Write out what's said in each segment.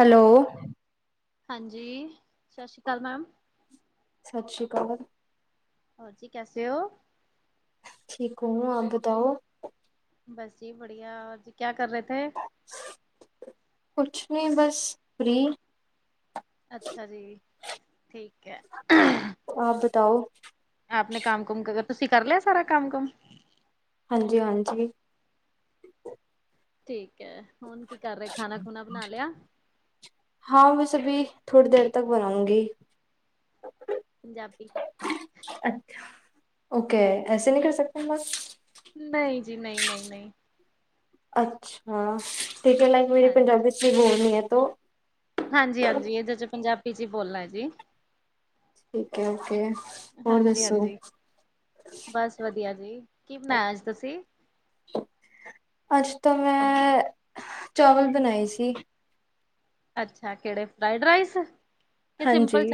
Hello ਹਾਂਜੀ ਸਤਿ ਸ਼੍ਰੀ ਅਕਾਲ ਮੈਮ ਸਤਿ ਸ਼੍ਰੀ ਅਕਾਲ। ਕੈਸੇ ਹੋ? ਠੀਕ ਹੂੰ ਆਪ ਬਤਾਓ? ਬਸ ਜੀ ਬੜੀਆ ਜੀ ਕਿਆ ਕਰ ਰਹੇ ਥੇ? ਕੁੱਛ ਨੀ ਬਸ ਫ੍ਰੀ ਅੱਛਾ ਜੀ। ਠੀਕ ਹੈ। ਆਪ ਬਤਾਓ ਆਪਣੇ ਕੰਮ-ਕੁਮ ਤੁਸੀਂ ਕਰ ਲਿਆ ਸਾਰਾ ਕੰਮ-ਕੁਮ ਹਾਂਜੀ-ਹਾਂਜੀ ਠੀਕ ਹੈ ਹੁਣ ਕੀ ਕਰ ਰਹੇ ਖਾਣਾ-ਖੁਣਾ ਬਣਾ ਲਿਆ ਹਾਂ ਮੈਂ ਸਭੀ ਥੋੜ੍ਹੀ ਦੇਰ ਤੱਕ ਬਣਾਉਂਗੀ ਪੰਜਾਬੀ ਅੱਛਾ ਓਕੇ ਐਸੇ ਨਹੀਂ ਕਰ ਸਕਤੇ ਮੈਮ ਨਹੀਂ ਜੀ ਨਹੀਂ-ਨਹੀਂ-ਨਹੀਂ ਅੱਛਾ ਕਈ-ਕਈ ਲੈੱਗਵੇਜ ਹਾਂਜੀ ਪੰਜਾਬੀ ਚ ਵੀ ਬੋਲਣੀ ਐ ਤੋ ਹਾਂਜੀ- ਹਾਂਜੀ ਇਹਦੇਾਂ ਚ' ਪੰਜਾਬੀ ਚ' ਹੀ ਬੋਲਣਾ ਹੈ ਜੀ। ਠੀਕ ਹੈ ਓਕੇ, ਹੋਰ ਹਾਂਜੀ ਦੱਸੋ? ਹਾਂਜੀ ਬਸ ਵਧੀਆ ਜੀ ਕੀ ਬਣਾਇਆ ਅੱਜ ਤੁਸੀਂ? ਅੱਜ ਤਾਂ ਮੈਂ, ਚਾਵਲ ਬਣਾਏ ਸੀ। ਅੱਛਾ ਕਿਹੜੇ ਫਰਾਈਡ ਰਾਇਸ ਹਾਂਜੀ,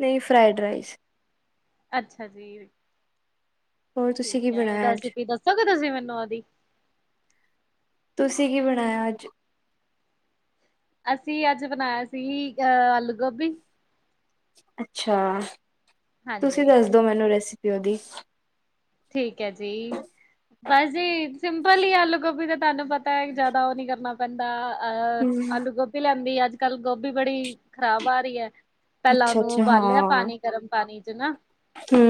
ਨਹੀਂ ਫਰਾਈਡ ਰਾਈਸ। ਅੱਛਾ ਜੀ। ਹੋਰ ਤੁਸੀਂ ਠੀਕ ਕੀ ਹੈ ਬਣਾਇਆ ਅੱਜ ਰੈਸਪੀ ਦੱਸੋਗੇ ਤੁਸੀਂ ਮੈਨੂੰ ਉਹਦੀ। ਤੁਸੀਂ ਕੀ ਬਣਾਇਆ ਅੱਜ? ਅਸੀਂ ਅੱਜ ਬਣਾਇਆ ਸੀ ਅ ਆਲੂ- ਗੋਭੀ। ਅੱਛਾ ਤੁਸੀਂ ਹਾਂਜੀ ਦੱਸਦੋ ਮੈਨੂੰ ਰੈਸਪੀ ਉਦੀ ਠੀਕ ਹੈ ਜੀ ਬਸ ਜੀ ਸਿੰਪਲ ਹੀ ਆਲੂ-ਗੋਭੀ ਦਾ ਤੁਹਾਨੂੰ ਪਤਾ ਹੈ ਜਿਆਦਾ ਉਹ ਨੀ ਕਰਨਾ ਬੰਦਾ ਅਹ ਹਮ ਆਲੂ-ਗੋਭੀ ਲੈਂਦੀ ਅੱਜ-ਕੱਲ੍ਹ ਗੋਭੀ ਬੜੀ ਖ਼ਰਾਬ ਆ ਰਹੀ ਐ। ਪਹਿਲਾਂ ਉਹਨੂੰ ਅੱਛਾ-ਅੱਛਾ ਉਬਾਲਿਆ ਹਾਂ ਪਾਣੀ ਗਰਮ ਪਾਣੀ ਚ ਨਾ ਹੂੰ।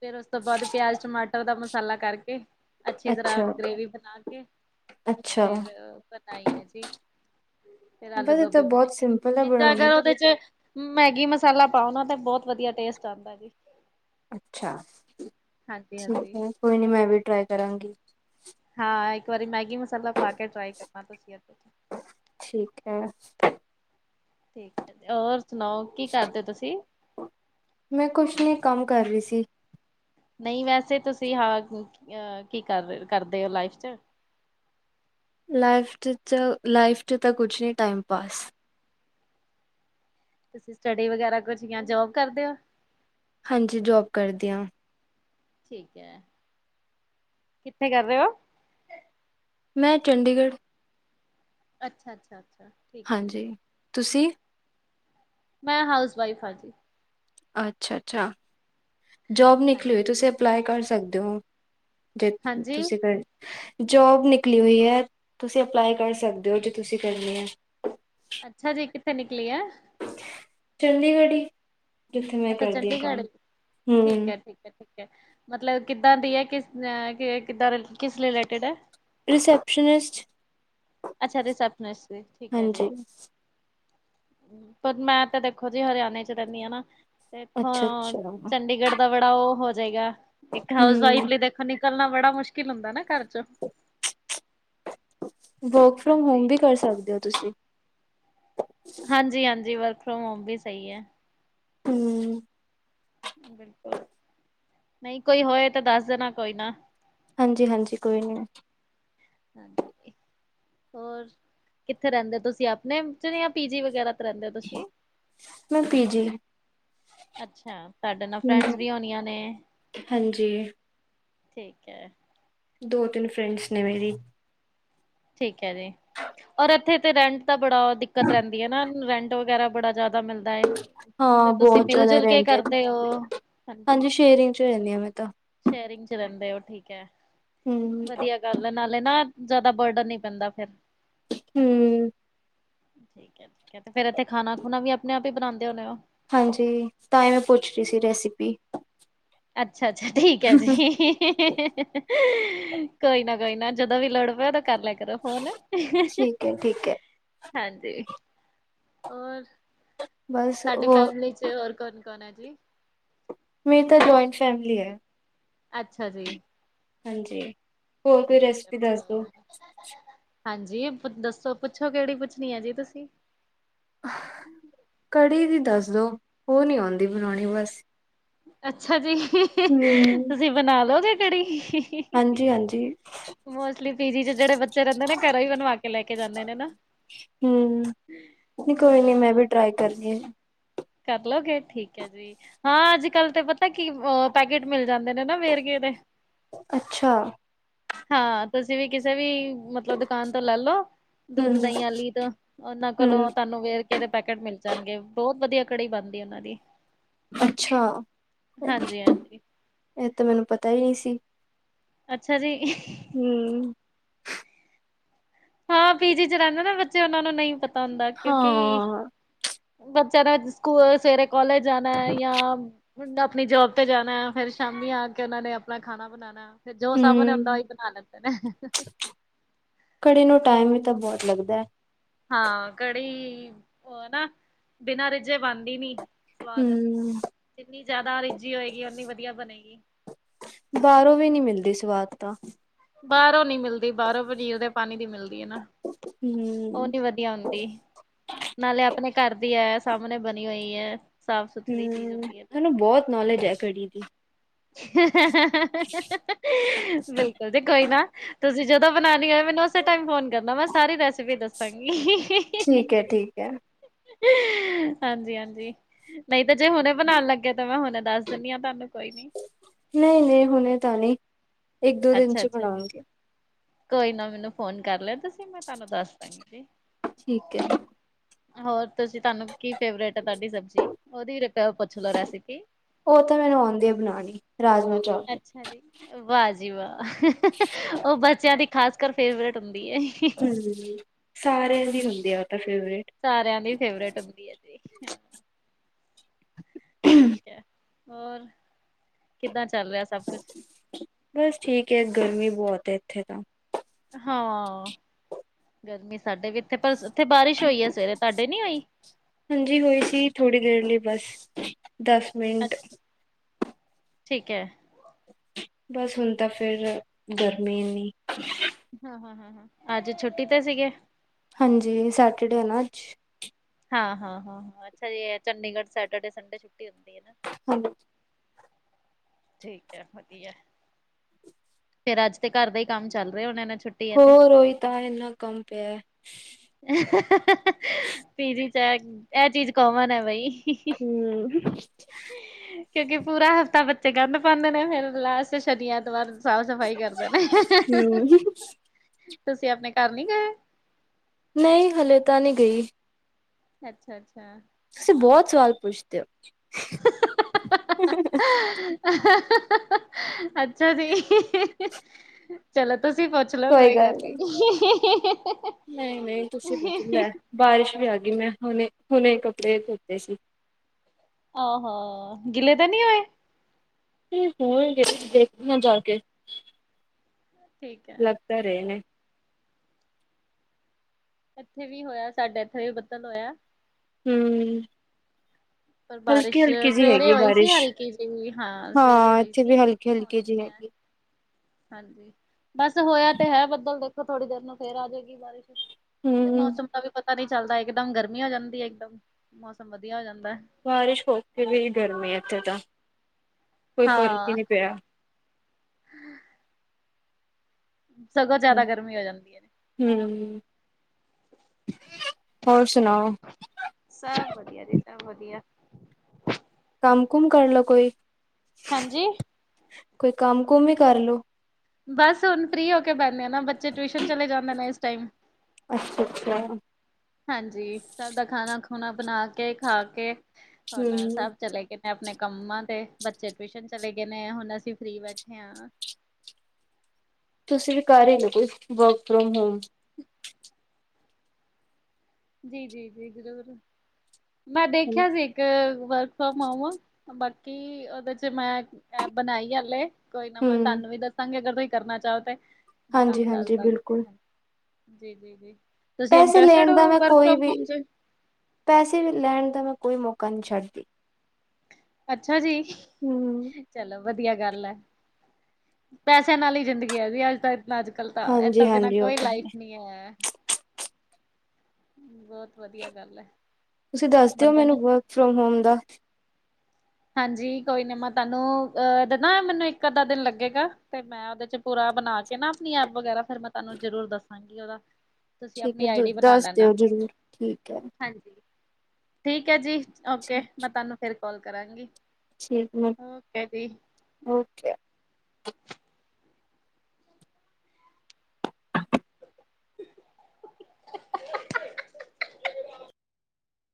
ਫੇਰ ਉਸ ਤੋਂ ਬਾਅਦ ਪਿਆਜ਼ ਟਮਾਟਰ ਦਾ ਮਸਾਲਾ ਕਰਕੇ ਅੱਛੀ ਤਰ੍ਹਾਂ ਅੱਛਾ-ਅੱਛਾ ਗ੍ਰੇਵੀ ਬਣਾ ਕੇ ਫਿਰ ਬਣਾਈ ਆ ਜੀ। ਫਿਰ ਆਲੂ ਬਸ ਇਹ ਤਾਂ ਗੋਭੀ ਬਣਾਈ। ਬਹੁਤ ਸਿੰਪਲ ਹੈ ਇਦਾਂ ਬਣਾਉਣੀ ਅਗਰ ਉਹਦੇ ਚ ਮੈਗੀ ਮਸਾਲਾ ਪਾਓ ਨਾ ਤੇ, ਬਹੁਤ ਵਧੀਆ ਟੇਸਟ ਆਉਂਦਾ ਹੈ। ਅੱਛਾ ਹਾਂਜੀ ਠੀਕ ਹਾਂਜੀ। ਹੈ। ਕੋਈ ਨ ਮੈਂ ਵੀ ਟਰਾਈ ਕਰਾਂਗੀ। ਹਾਂ। ਇੱਕ ਵਾਰੀ ਮੈਗੀ ਮਸਾਲਾ ਪਾ ਕੇ ਟਰਾਈ ਕਰਨਾ ਸੀ। ਠੀਕ ਹੈ। ਹੋਰ ਸੁਣਾਓ ਕੀ ਕਰਦੇ ਹੋ ਤੁਸੀਂ? ਮੈਂ ਕੁਛ ਨੀ ਕੰਮ ਕਰ ਰਹੀ ਸੀ। ਨਹੀਂ ਵੈਸੇ ਤੁਸੀਂ ਹਾਂ, ਅਹ ਕੀ ਕਰ-ਕਰਦੇ ਹੋ ਲਾਈਫ ਚ? ਲਾਈਫ ਚ, ਲਾਈਫ ਚ ਤਾਂ ਕੁਛ ਨਹੀਂ ਟਾਈਮ ਪਾਸ। ਤੁਸੀਂ ਸਟੱਡੀ ਵਗੈਰਾ ਕੁਛ ਜਾਂ ਜੋਬ ਕਰਦੇ ਹੋ? ਹਾਂਜੀ। ਜੋਬ ਕਰਦੇ ਹਾਂ। ਠੀਕ ਹੈ। ਕਿੱਥੇ ਕਰ ਰਹੇ ਹੋ? ਮੈਂ ਚੰਡੀਗੜ੍ਹ। ਅੱਛਾ-ਅੱਛਾ-ਅੱਛਾ। ਹਾਂਜੀ। ਤੁਸੀਂ ਮੈਂ ਹਾਊਸ ਵਾਈਫ ਹਾਂ ਜੀ। ਅੱਛਾ-ਅੱਛਾ। ਜੋਬ ਨਿਕਲੀ ਹੋਈ, ਹਾਂਜੀ ਹਾਂਜੀ ਤੁਸੀਂ ਅਪਲਾਈ ਕਰ ਸਕਦੇ ਹੋ। ਜੇ ਹਾਂਜੀ ਤੁਸੀਂ ਕਰ ਜੋਬ ਨਿਕਲੀ ਹੋਈ ਹੈ। ਤੁਸੀਂ ਅਪਲਾਈ ਕਰ ਸਕਦੇ ਹੋ, ਜੋੇ ਤੁਸੀਂ ਕਰਨੀ ਹੈ। ਅੱਛਾ ਜੀ। ਕਿੱਥੇ ਨਿਕਲੀ ਹੈ? ਚੰਡੀਗੜ੍ਹ ਜਿੱਥੇ ਮੈਂ ਅੱਛਾ ਕਰਦੀ ਹਾਂ ਚੰਡੀਗੜ੍ਹ ਕੰਮ। ਠੀਕ ਹਮਮ। ਹੈ ਠੀਕ ਹੈ ਠੀਕ ਹੈ। ਮਤਲਬ ਕਿੱਦਾਂ ਦੀ ਹੈ? ਕਿੱਦਾਂ ਕਿਸ ਰਿਲੇਟਿਡ ਹੈ? ਰਿਸੈਪਸ਼ਨਨਿਸਟ। ਅੱਛਾ। ਰਿਸੈਪਸ਼ਨਿਸਟ ਦੀ ਠੀਕ ਹੈ ਹਾਂਜੀ, ਜੀ। ਪਰ ਮੈਂ ਤੇ ਦੇਖੋ ਜੀ ਹਰਿਆਣੇ ਚ ਰਹਿੰਦੀ ਹਾਂ ਨਾ, ਤੇ ਇੱਥੋਂ ਅੱਛਾ-ਅੱਛਾ। ਚੰਡੀਗੜ੍ਹ ਦਾ ਬੜਾ ਉਹ ਹੋ ਜਾਏਗਾ। ਇੱਕ ਹਾਊਸ ਹੂੰ, ਵਾਈਫ ਲਈ ਦੇਖੋ ਨਿਕਲਣਾ ਬੜਾ ਮੁਸ਼ਕਿਲ ਹੁੰਦਾ ਨਾ ਘਰ ਚੋਂ। ਵਰਕ ਫਰੋਮ ਹੋਮ ਹਾਂਜੀ ਵੀ ਕਰ ਸਕਦੇ ਹੋ ਤੁਸੀਂ। ਹਾਂਜੀ - ਹਾਂਜੀ। ਵਰਕ ਫਰੋਮ ਹੋਮ ਵੀ ਸਹੀ ਹੈ। ਹਮ। ਬਿਲਕੁਲ ਨਹੀਂ ਕੋਈ ਹੋਏ ਤਾਂ, ਦੱਸ ਦੇਣਾ ਕੋਈ ਨਾ। ਹਾਂਜੀ-ਹਾਂਜੀ। ਕੋਈ ਨੀ ਏ। ਹਾਂਜੀ। ਹੋਰ ਕਿੱਥੇ ਰਹਿੰਦੇ ਤੁਸੀਂ? ਆਪਣੇ ਚ ਜਾਂ ਪੀਜੀ ਵਗੈਰਾ ਤੇ ਰਹਿੰਦੇ ਹੋ ਤੁਸੀਂ ਮੈ ਪੀਜੀ। ਅੱਛਾ। ਤੁਹਾਡੇ ਨਾਲ ਹੂੰ, ਫਰੈਂਡਸ ਵੀ ਹੋਣੀਆਂ ਨੇ। ਹਾਂਜੀ। ਠੀਕ ਹੈ। ਦੋ ਤਿੰਨ ਫਰੈਂਡਸ ਨੇ ਮੇਰੀ। ਠੀਕ ਹੈ ਜੀ। ਔਰ ਇੱਥੇ ਤੇ ਰੈਂਟ ਦਾ ਬੜਾ ਦਿੱਕਤ ਰਹਿੰਦੀ ਹੈ ਨਾ। ਰੈਂਟ ਵਗੈਰਾ ਬੜਾ ਜਿਆਦਾ ਮਿਲਦਾ ਹੈ ਹਾਂ ਤੇ ਤੁਸੀਂ ਬਹੁਤ ਮਿਲ ਜ਼ਿਆਦਾ ਜੁਲ ਕੇ ਰੈਂਟ ਐ। ਕਰਦੇ ਹੋ? ਹਾਂਜੀ। ਸ਼ੇਅਰਿੰਗ ਚ ਰਹਿੰਦੀ ਹਾਂ ਮੈਂ ਤਾਂ। ਸ਼ੇਅਰਿੰਗ ਚ ਰਹਿੰਦੇ ਹੋ, ਠੀਕ ਹੈ। ਹੂੰ, ਵਧੀਆ ਗੱਲ ਹੈ ਨਾਲੇ ਨਾ ਜ਼ਿਆਦਾ ਵਰਡਨ ਨਹੀਂ ਪੈਂਦਾ ਫੇਰ। ਹਮ। ਠੀਕ ਹੈ ਠੀਕ ਹੈ। ਤੇ ਫੇਰ ਇੱਥੇ ਖਾਣਾ ਖੁਣਾ ਵੀ ਆਪਣੇ ਆਪ ਹੀ ਬਣਾਉਂਦੇ ਹੋੁੰਣੇ ਹੋ? ਹਾਂਜੀ। ਤਾਂਹੀ ਮੈ ਪੁੱਛ ਰਹੀ ਸੀ ਰੈਸਿਪੀ। ਅੱਛਾ-ਅੱਛਾ ਠੀਕ ਹੈ ਜੀ। ਹੀ-ਹੀ-ਹੀ-ਹੀ-ਹੀ-ਹੀ-ਹੀ। ਕੋਈ ਨਾ ਕੋਈ ਨਾ ਜਦੋਂ ਵੀ ਲੋੜ ਪੈ ਕਰ ਲੈ ਕਰੋ ਫੋਨ ਠੀਕ ਐ, ਠੀਕ ਐ। ਹਾਂਜੀ। ਹੋਰ ਬਸ ਸਾਡੀ ਹੋਰ ਫੈਮਲੀ ਚ ਤੇ ਹੋਰ ਕੌਣ, ਕੌਣ ਹੈ ਜੀ? ਮੇਰੀ ਤਾਂ ਜੁਇੰਟ ਫੈਮਿਲੀ ਹੈ। ਅੱਛਾ ਜੀ। ਹਾਂਜੀ, ਹੋਰ ਕੋਈ ਠੀਕ ਹੈ। ਰੈਸਪੀ ਦੱਸ ਦੋ? ਵਧੀਆ। ਹਾਂਜੀ, ਦੱਸੋ ਪੁੱਛੋ ਕਿਹੜੀ ਪੁੱਛਣੀ ਐ ਜੀ, ਤੁਸੀਂ [unintelligible] ਕੜੀ ਦੀ ਦੱਸ ਦੋ, ਉਹ ਨੀ ਆਉਂਦੀ ਬਣਾਉਣੀ ਬਸ। ਅੱਛਾ ਜੀ। [unintelligible] ਹਂ ਤੁਸੀਂ ਬਣਾ ਲੋਗੇ ਕੜੀ? [unintelligible] ਹਾਂਜੀ, ਹਾਂਜੀ। ਮੋਸਟਲੀ ਪੀਜੀ ਚ ਜਿਹੜੇ ਬਚ ਬੱਚੇ ਰਹਿੰਦੇ ਨੇਂ, ਘਰੋ ਹੀ ਬਣਵਾ ਕੇ ਲੈ ਕੇ ਜਾਂਦੇ ਨੇਂ ਨਾਂ। ਹੂੰ, ਨੀ ਕੋਈ ਨੀ ਮੈਂ ਹਾਂ। ਵੀ ਟਰਾਈ ਕਰਨੀ ਆਂ। ਕਰਲੋਗੇ? ਠੀਕ ਐ ਜੀ। ਹਾਂ, ਅੱਜ-ਕੱਲ ਤੇ ਪਤਾ ਕੀ? ਓ ਪੈਕੇਟ ਮਿਲ ਜਾਂਦੇ ਨੇਂ ਨਾਂ ਵੇਰਗੇ ਦੇ। ਅੱਛਾ। ਹਾਂ, ਤੁਸੀਂ ਵੀ ਕਿਸੇ ਵੀ ਮਤਲਬ ਦ ਦੁਕਾਨ ਤੋਂ ਲੈ ਲੋ। ਦੁੱਧ ਹੂੰ, ਦਹੀਂ ਆਲੀ ਤੋਂ ਉਹਨਾਂ ਹੂੰ, ਕੋਲੋਂ ਤੁਹਾਨੂੰ ਵੇਰਕਾ ਦੇ ਪੈਕੇਟ ਮਿਲ ਜਾਣਗੇਂ, ਬਹੁਤ ਵਧੀਆ ਕੜੀ ਬਣਦੀ ਉਹਨਾਂ ਦੀ। ਅੱਛਾ, ਹਾਂਜੀ ਹਾਂਜੀ ਇਹ ਤਾਂ ਮੈਨੂੰ ਪਤਾ ਈ ਨਈਂ ਸੀ। ਅੱਛਾ ਜੀ। [unintelligible] ਹਂ ਹਾਂ, ਪੀਜੀ ਚ ਰਹਿੰਦੇ ਨਾਂ ਬੱਚੇ, ਉਹਨਾਂ ਨੂੰ ਨ੍ਹੀਂ ਪਤਾ ਹੁੰਦਾ ਕਿਉਂਕਿ ਹਾਂ, ਬੱਚਿਆਂ ਨੇ ਸਕੂਲ ਸਵੇਰੇ ਕਾਲਜ ਜਾਣਾ ਹੈ ਯਾ ਹੁਣ ਆਪਣੀ ਜੋਬ ਤੇ ਜਾਣਾ, ਫੇਰ ਸ਼ਾਮੀ ਆ ਕੇ ਉਹਨਾਂ ਨੇਂ ਆਪਣਾ ਖਾਣਾ ਬਣਾਣਾ। ਫੇਰ ਜੋ ਸਾਮਣੇ ਨੇਂ ਹੁੰਦਾ, ਹੂੰ, ਉਹੀ ਬਣਾ ਲੈਂਦੇ ਨੇਂ। [unintelligible] ਕੜੀ ਨੂੰ ਟਾਈਮ ਵੀ ਤਾਂ ਬਹੁਤ ਲੱਗਦਾ ਐ। ਹਾਂ, ਕੜੀ, ਉਹ ਨਾਂ ਬਿਨਾਂ ਰਿੱਝੇ ਬਣਦੀ ਨੀਂ ਸਵਾਦ ਹੂੰ। ਜਿੰਨੀ ਜ਼ਿਆਦਾ ਰਿੱਝੀ ਹੋਏਗੀ, ਓਨੀ ਵਧੀਆ ਬਣੇਗੀ। ਬਾਹਰੋਂ ਵੀ ਨ੍ਹੀਂ ਮਿਲਦੀ ਸਵਾਦ ਤਾਂ ਬਾਹਰੋਂ ਨੀਂ ਮਿਲਦੀ ਬਾਹਰੋਂ ਪਨੀਰ ਦੇ ਪਾਣੀ ਦੀ ਮਿਲਦੀ ਐ ਨਾਂ, ਉਹ ਹੂੰ। ਨੀਂ ਵਧ [unintelligible] ਹੁੰਦੀ ਨਾਲੇ ਆਪਣੇ ਘਰ ਦੀ ਹੈ, ਸਾਹਮਣੇ ਬਣੀ ਹੋਈ ਐ। ਹਂ, ਤੁਹਾਨੂੰ ਬਹੁਤ ਨੌਲੇਜ ਐ, ਕੜੀ ਦੀ। [unintelligible] ਬਿਲਕੁਲ ਜੀ, ਕੋਈ ਨਾਂ। ਤੁਸੀਂ ਜਦੋਂ ਬਣਾਉਣੀ ਹੋਏ, ਮੈਨੂੰ ਉਸੇ ਟਾਈਮ ਫੋਨ ਕਰਨਾਂ, ਮੈਂ ਸਾਰੀ ਰੈਸਪੀ ਦੱਸਾਂਗੀ। [unintelligible] ਠੀਕ ਏ, ਠੀਕ ਐ। [unintelligible] ਹਾਂਜੀ, ਹਾਂਜੀ। ਨਈਂ ਤੇ ਜੇ ਹੁਣੇ ਬਣਾਉਣ ਲੱਗੇ ਔ ਤਾਂ ਮੈਂ ਹੁਣੇ ਦੱਸ ਦਿੰਣੀ ਆਂ ਤੁਹਾਨੂੰ। ਕੋਈ ਨੀਂ ਨਈਂ, ਨਈਂ ਹੁਣੇ ਤਾਂ ਨਈਂ ਅੱਛਾ, ਅੱਛਾ। ਕੋਈ ਨਾਂ ਮੈਨੂੰ ਫੋਨ ਕਰ ਲੇਣਾ ਤੁਸੀਂ, ਮੈਂ ਤੁਹਾਨੂੰ ਦੱਸ ਦਾਂਗੀ। ਠੀਕ ਐ। ਹੋਰ ਤੁਸੀਂ ਤੁਹਾਨੂੰ ਕੀ ਫੇਵਰੇਟ ਐ ਤੁਹਾਡੀ ਸਬਜ਼ੀ, ਉਹਦੀ ਪੁੱਛ ਲੋੋ ਰੈਸਪੀ ਉਹ ਤਾਂ ਮੈਨੂੰ ਆਉਂਦੀ ਆ ਬਣਾਉਣੀ, ਰਾਜਮਾ ਚਾਵਲ। ਅੱਛਾ ਵਾਹ ਜੀ, ਵਾਹ [unintelligible] ਉਹ ਬੱਚਿਆਂ ਦੀ ਖਾਸ ਕਰ ਫੇਵਰੇਟ ਹੁੰਦੀ ਏ। ਹਂ, ਸਾਰਿਆਂ ਦੀ ਹੁੰਦੀ ਆ ਉਹ ਤਾਂ ਫੇਵਰੇਟ ਸਾਰਿਆਂ ਦੀ ਫੇਵਰੇਟ ਹੁੰਦੀ ਐ ਜੀ। ਠੀਕ ਐ, ਹੋਰ ਕਿੱਦਾਂ ਚੱਲ ਰਿਹਾ ਸਭ ਕੁਛ? ਬਸ ਠੀਕ ਐ, ਗਰਮੀ ਬਹੁਤ ਐ ਇੱਥੇ ਤਾਂ। ਹਾਂ, ਗਰਮੀ ਸਾਡੇ ਵੀ ਇੱਥੇ ਪਰ ਉੱਥੇ ਬਾਰਿਸ਼ ਹੋਈ ਐ ਸਵੇਰੇ, ਤੁਹਾਡੇ ਨੀਂ ਹੋਈ? ਹਾਂਜੀ ਹੋਈ ਸੀ, ਥੋੜ੍ਹੀ ਦੇਰ ਲਈ ਬਸ ਦਸ [inaudible] ਅੱ, ਠੀਕ ਐ। ਬਸ ਹੁਣ ਤਾਂ ਫੇਰ ਗਰਮੀ ਇੰਨੀ ਹਾਂ-ਹਾਂ- ਹਾਂ-ਹਾਂ, ਅੱਜ ਛੁੱਟੀ ਤੇ ਸੀਗੇ। ਹਾਂਜੀ, ਸੈਟਰਡੇ ਐ ਨਾ ਅੱਜ। ਹਾਂ ਹਾਂ ਹਾਂ ਹਾਂ, ਅੱਛਾ ਜੀ। ਚੰਡੀਗੜ੍ਹ ਸੈਟਰਡੇ ਸੰਡੇ ਛੁੱਟੀ ਹੁੰਦੀ ਐਨਾਂ। ਹੈਲੋ, ਠੀਕ ਐ ਵਧੀਆ, ਫੇਰ ਅੱਜ ਤੇ ਘਰ ਦਾ ਹੀ ਕੰਮ ਚੱਲ ਰਿਹਾ ਹੋਣੇ ਨੇ ਛੁ ਹੋਰ, ਉਹੀ ਤਾਂ ਐਨਾ ਕੰਮ ਪਿਆ। ਪੀ ਜੀ ਚ, ਇਹ ਚੀਜ਼ ਕੋਮਨ ਐ ਬਈ। ਹੂੰ, ਕਿਉਂਕਿ ਪੂਰਾ ਹਫ਼ਤਾ ਬੱਚੇ ਗੰਦ ਪਾਂਦੇ ਨੇ, ਫੇਰ ਲਾਸਟ ਸ਼ਨੀ, ਐਤਵਾਰ। ਸਾਫ਼ ਸਫ਼ਾਈ ਕਰਦੇ ਨੇ, ਹਮ ਤੁਸੀਂ ਆਪਣੇ ਘਰ ਨੀ ਗਏ। ਨਹੀਂ ਹਲੇ ਤਾਂ ਨਹੀਂ ਗਈ। ਅੱਛਾ- ਅੱਛਾ। ਤੁਸੀਂ ਬਹੁਤ ਸਵਾਲ ਪੁੱਛਦੇ ਹੋ। ਅੱਛਾ ਜੀ, ਚਲੋ ਤੁਸੀਂ ਪੁੱਛ ਚਲੋ ਕੋਈ ਗੱਲ ਨੀ ਨਹੀਂ- ਨਹੀਂ ਤੁਸੀਂ ਪੁੱਛੋ, ਲੈ ਬਾਰਿਸ਼ ਵੀ ਆ ਗਈ, ਮੈਂ ਹੁਣੇ-ਹੁਣੇ ਕੱਪੜੇ ਧੋਤੇ ਸੀ। ਹਾਂ- ਹਾਂ, ਗਿਲੇ ਤਾਂ ਨਹੀਂ ਹੋਏ। ਉੱਥੇ ਹੀ ਹੋਣਗੇ, ਦੇਖਦੀ ਆਂ ਜਾ ਕੇ। ਠੀਕ ਐ। ਘਰੇ ਨੇ ਇੱਥੇ ਵੀ ਹੋਇਆ, ਸਾਡੇ ਇੱਥੇ ਵੀ ਬੱਦਲ ਹੋਇਆ। ਹੂੰ, ਪਰ ਹਲਕੀ- ਬਾਰਿਸ਼ ਹਲਕੀ ਜੀ ਹੈਗੀ ਸਵੇਰੇ ਐ ਹੋਈ ਸੀ ਬਾਰਿਸ਼, ਹਲਕੀ ਜਿਹੀ ਸਵੇਰੇ ਹਾਂ ਹੋਈ ਇੱਥੇ ਸੀ। ਵੀ ਹਲਕੀ- ਹਲਕੀ ਜੀ ਐ। [inaudible] ਹਾਂਜੀ, ਬਸ ਹੋਇਆ ਤੇ ਹੈ ਬੱਦਲ ਦੇਖੋ, ਥੋੜੀ ਦੇਰ ਨੂੰ ਫੇਰ ਆ ਜੇਗੀ ਬਾਰਿਸ਼। ਹੂੰ ਮੌਸਮ ਦਾ ਵੀ ਪਤਾ ਨੀ ਚੱਲਦਾ, ਇੱਕ ਦਮ ਗਰਮੀ ਹੋ ਜਾਂਦੀ ਐ, ਇਕ ਦਮ ਮੌਸਮ ਵਧੀਆ ਹੋ ਜਾਂਦਾ। ਬਾਰਿਸ਼ ਹੋ ਕੇ ਵੀ ਗਰਮੀ ਇਥੇ ਤਾਂ, ਕੋਈ ਫ਼ਰਕ ਹੀ ਹਾਂ ਨਹੀਂ ਪਿਆ। ਸਗੋਂ ਜਿਆਦਾ ਗਰਮੀ ਹੋ ਜਾਂਦੀ ਐ। ਹੂੰ, ਹੋਰ ਸੁਣਾਓ ਸਭ ਵਧੀਆ ਜੀ, ਸਭ ਵਧੀਆ। ਕੰਮ ਕੁੰਮ ਕਰ ਲੋ ਕੋਈ। ਹਾਂਜੀ, ਕੋਈ ਕੰਮ ਕੁੰਮ ਈ ਕਰਲੋ। ਬਸ ਹੁਣ ਫ੍ਰਰੀ ਹੋ ਕੇ ਬਹਿਨੇ ਆ ਨਾ, ਬੱਚੇ ਟਿਊਸ਼ਨ ਚਲੇ ਜਾਂਦੇ ਨੇ ਇਸ ਟਾਈਮ। ਅੱਛਾ- ਅੱਛਾ। ਹਾਂਜੀ, ਸਭ ਦਾ ਖਾਣਾ ਖੁਣਾ ਬਣਾ ਕੇ, ਖਾ ਕੇ ਹੁਣ ਸਭ ਚਲੇ ਗੇ ਨੇ। ਆਪਣੇ ਕੰਮਾਂ ਤੇ, ਬੱਚੇ ਟਿਊਸ਼ਨ ਚਲੇ ਗਏ ਨੇ, ਹੁਣ ਅਸੀਂ ਫਰੀ ਬੈਠੇ ਆਂ। ਤੁਸੀਂ ਵੀ ਕਰ ਈ ਲੋ ਕੋਈ, ਵਰਕ ਫਰੋਮ ਹੋਮ। ਜੀ-ਜੀ-ਜੀ ਜ਼ਰੂਰ, ਮੈਂ ਦੇਖਿਆ ਸੀ। ਵਰਕ ਫਰੋਮ ਹੋਮ, ਬਾਕੀ ਉਹਦੇ ਚ ਮੈਂ ਬਣਾਈ ਐ ਹਲੇ। ਕੋਈ ਨਾ ਮੈਂ ਹੂੰ ਤੁਹਾਨੂੰ ਵੀ ਦੱਸਾਂਗੀ, ਅਗਰ ਤੁਸੀਂ ਕਰਨਾ ਚਾਹੋ ਤੇ। ਹਾਂਜੀ- ਹਾਂਜੀ, ਬਿਲਕੁਲ। ਜੀ- ਜੀ, ਤੁਸੀਂ ਪੈਸੇ ਇਨਟਰਸਟਡ ਲੈਣ ਦਾ ਹੋ। ਮੈਂ ਵਰਕ ਕੋਈ ਫਰੋਮ ਵੀ ਹੋਮ ਚ ਪੈਸੇ ਲੈਣ ਦਾ, ਮੈਂ ਕੋਈ ਮੌਕਾ ਨਹੀਂ ਛੱਡਦੀ। ਅੱਛਾ ਜੀ, ਹੂੰ ਚਲੋ ਵਧੀਆ ਗੱਲ ਐ, ਪੈਸਿਆਂ ਨਾਲ ਹੀ ਜ਼ਿੰਦਗੀ ਹੈ ਜੀ ਅੱਜ ਤੱਕ। ਅੱਜ- ਕੱਲ ਤਾਂ ਇਹ ਹਾਂਜੀ ਤੋ ਬਿਨਾਂ ਹਾਂਜੀ ਉਹ ਕੋਈ ਤਾਂ ਹੈ ਲਾਈਫ ਨਹੀਂ ਹੈ। ਬਹੁਤ ਵਧੀਆ ਗੱਲ ਐ। ਤੁਸੀਂ, ਦੱਸ ਦਿਓ ਬੰਦੇ ਮੈਨੂੰ ਨੇ ਵਰਕ ਫਰੋਮ ਹੋਮ ਦਾ। ਹਾਂਜੀ ਕੋਈ ਨੀ, ਮੈਂ ਤੁਹਾਨੂੰ ਅਹ, ਦਦਾ ਮੈਨੂੰ ਇੱਕ ਅੱਧਾ ਦਿਨ ਲੱਗੇਗਾ, ਤੇ ਮੈਂ ਉਹਦੇ ਚ। ਪੂਰਾ ਬਣਾ ਕੇ ਨਾ, ਆਪਣੀ ਐਪ ਵਗੈਰਾ ਫੇਰ ਮੈਂ ਤੁਹਾਨੂੰ ਜ਼ਰੂਰ ਦੱਸਾਂਗੀ ਉਹਦਾ। ਤੁਸੀਂ ਠੀਕ ਹੈ, ਆਪਣੀ ਆਈ ਦ ਡੀ ਬਣਾ ਦੱਸ ਲੈਣਾ। ਦਿਓ ਜਰੂਰ, ਠੀਕ ਹੈ। ਹਾਂਜੀ ਠੀਕ ਐ ਜੀ ਓਕੇ, ਠੀਕ ਮੈਂ ਤੁਹਾਨੂੰ ਫਿਰ ਕੌਲ ਕਰਾਂਗੀ। ਠੀਕ, ਮੈਮ ਓਕੇ ਜੀ। ਓਕੇ।